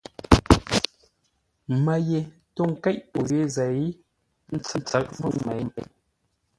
Mə́ ye tô ńkéʼ pô yé zêi, ə́ ntsə̌ʼ məfʉ̌ŋ mêi.